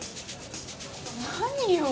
何よ？